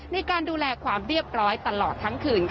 ในการดูแลความเรียบร้อยตลอดทั้งคืน